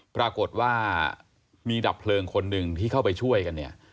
ปรากฏว่ามีดับเพลิงคนหนึ่งที่เข้าไปช่วยกันเนี่ย